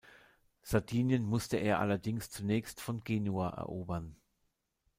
Sardinien musste er allerdings zunächst von Genua erobern.